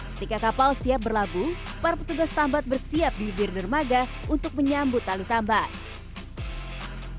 ketika kapal siap berlabuh para petugas tambat bersiap di bir dermaga untuk menyambut tali tambang